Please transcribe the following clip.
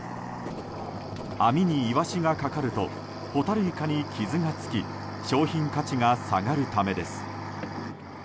網にイワシがかかるとホタルイカに傷がつき商品価値が下がるためです。